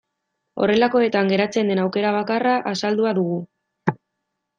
Horrelakoetan geratzen den aukera bakarra azaldua dugu.